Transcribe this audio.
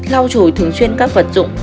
lau chùi thường xuyên các vật dụng